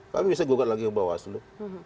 kami bisa gugat lagi ke bawaslu